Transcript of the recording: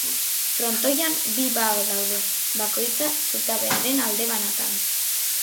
Frontoian bi bao daude, bakoitza zutabearen alde banatan.